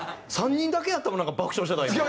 ３人だけやったもん爆笑してたん今。